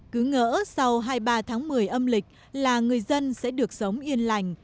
cứ ngỡ sau hai mươi ba tháng một mươi âm lịch là người dân sẽ được sống yên lành